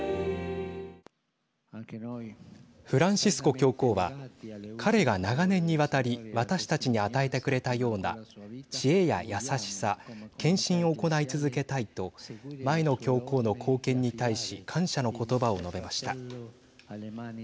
フランシスコ教皇は彼が長年にわたり私たちに与えてくれたような知恵や優しさ献身を行い続けたいと前の教皇の貢献に対し感謝の言葉を述べました。